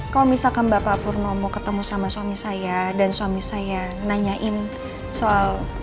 kalau misalkan bapak purnomo ketemu sama suami saya dan suami saya nanyain soal